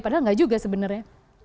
padahal gak juga sebenarnya